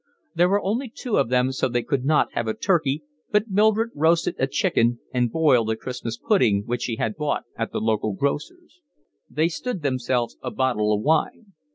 There were only two of them so they could not have a turkey, but Mildred roasted a chicken and boiled a Christmas pudding which she had bought at a local grocer's. They stood themselves a bottle of wine.